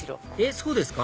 そうですか？